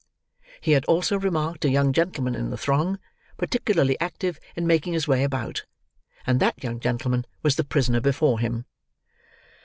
He had also remarked a young gentleman in the throng, particularly active in making his way about, and that young gentleman was the prisoner before him.